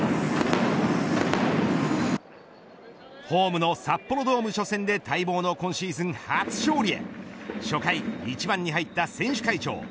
ホームの札幌ドーム初戦で待望の今シーズン初勝利へ初回、１番に入った選手会長